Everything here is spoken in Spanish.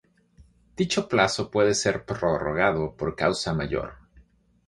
Dicho plazo puede ser prorrogado por causa mayor.